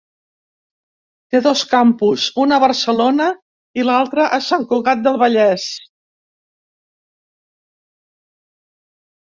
Té dos campus, un a Barcelona i l'altre a Sant Cugat del Vallès.